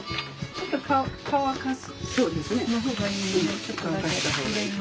ちょっと乾かした方が。